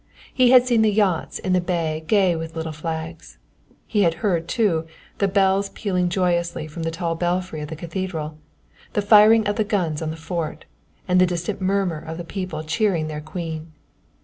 He had seen the yachts in the bay gay with little flags. He had heard, too, the bells pealing joyously from the tall belfry of the Cathedral, the firing of the guns on the fort, and the distant murmur of the people cheering their Queen.